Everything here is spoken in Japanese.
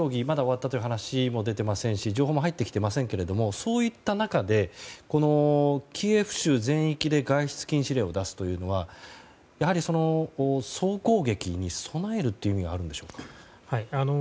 まだ終わったという話も出ていませんし情報も入ってきていませんがそういった中で、キエフ州全域で外出禁止令を出すというのはやはり、総攻撃に備えるという意味があるんでしょうか。